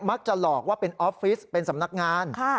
จะหลอกว่าเป็นออฟฟิศเป็นสำนักงาน